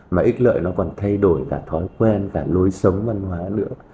mà ít lợi nó còn thay đổi cả thói quen và lối sống văn hóa nữa